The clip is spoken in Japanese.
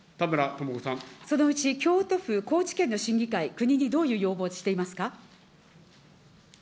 そのうち京都府、高知県の審議会、国にどういう要望をしていますか。